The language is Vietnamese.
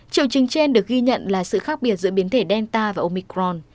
triệu chứng trên được ghi nhận là sự khác biệt giữa biến thể delta và omicron